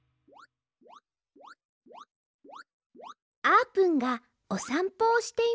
あーぷんがおさんぽをしています